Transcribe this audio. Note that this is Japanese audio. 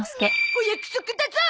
お約束だゾ！